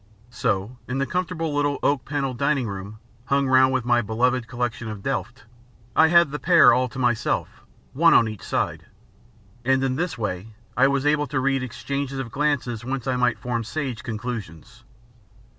So, in the comfortable little oak panelled dining room, hung round with my beloved collection of Delft, I had the pair all to myself, one on each side; and in this way I was able to read exchanges of glances whence I might form sage conclusions.